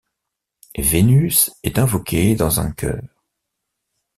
Vénus est invoquée dans un chœur.